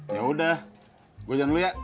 yaudah gua jalan dulu ya